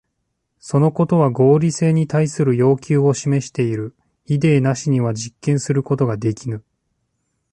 そのことは合理性に対する要求を示している。イデーなしには実験することができぬ。